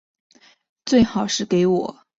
最好是给我